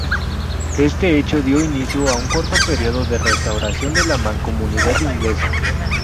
Este hecho dio inicio a un corto periodo de restauración de la mancomunidad inglesa.